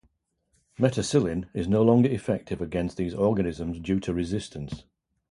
Meticillin is no longer effective against these organisms due to resistance.